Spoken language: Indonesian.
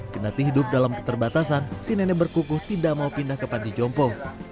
kenati hidup dalam keterbatasan si nenek berkukuh tidak mau pindah ke panti jompo